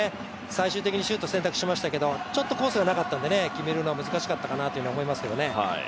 最終的にシュートを選択しましたけどちょっとコースがなかったので決めるのは難しかったかなと。